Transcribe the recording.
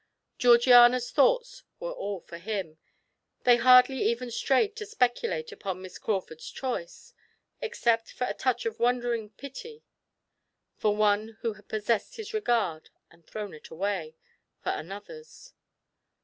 Georgiana's thoughts were all for him; they hardly even strayed to speculate upon Miss Crawford's choice, except for a touch of wondering pity for one who had possessed his regard and thrown it away for another's.